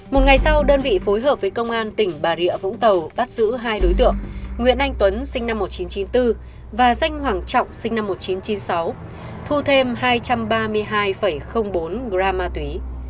một ngày sau đơn vị phối hợp với công an tỉnh bà rịa vũng tàu bắt giữ hai đối tượng nguyễn anh tuấn sinh năm một nghìn chín trăm chín mươi bốn và danh hoàng trọng sinh năm một nghìn chín trăm chín mươi sáu thu thêm hai trăm ba mươi hai bốn gram ma túy